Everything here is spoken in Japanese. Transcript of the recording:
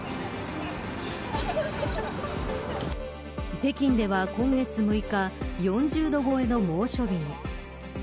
北京では今月６日４０度超えの猛暑日に。